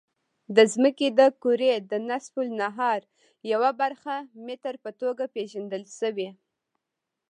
د ځمکې د کرې د نصف النهار یوه برخه متر په توګه پېژندل شوې.